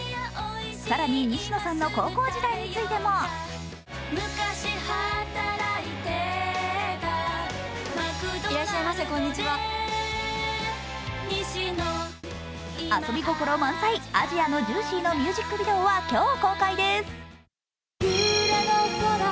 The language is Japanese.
更に西野さんの高校時代についても遊び心満載「アジアのジューシー」のミュージックビデオは今日公開です。